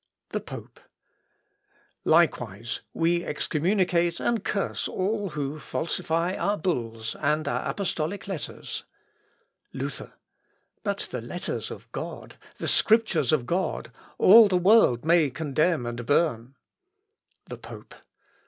The Pope. "Likewise we excommunicate and curse all who falsify our bulls, and our apostolic letters...." Luther. "But the letters of God, the Scriptures of God, all the world may condemn and burn." _The Pope.